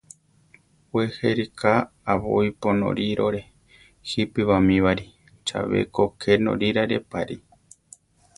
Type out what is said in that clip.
We je ríka abóipo norírore jipe bamíbari; chabé ko ké norínare pari.